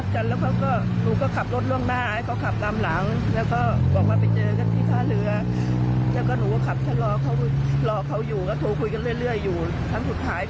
เธอก็คุยกับเขาอยู่คุยกับคนที่รอดชีวิตอยู่กับเพื่อน